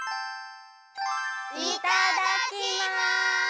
いただきます！